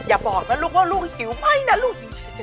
อย่าบอกนะลูกว่าลูกหิวไหม้นะลูก